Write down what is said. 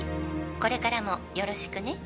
「これからもよろしくね」